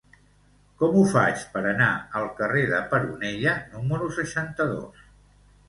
Com ho faig per anar al carrer de Peronella número seixanta-dos?